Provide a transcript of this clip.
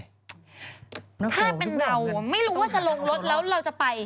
ถ้าเป็นเราไม่รู้ว่าจะลงรถแล้วเราจะไป